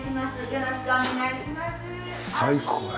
よろしくお願いしますおおきに。